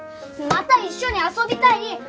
また一緒に遊びたい！